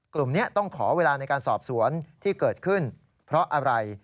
กลุ่มนี้ต้องขอเวลาในการสอบสวนที่เกิดขึ้นเพราะอะไร